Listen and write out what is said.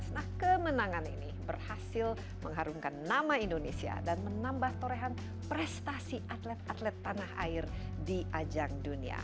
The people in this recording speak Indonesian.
nah kemenangan ini berhasil mengharumkan nama indonesia dan menambah torehan prestasi atlet atlet tanah air di ajang dunia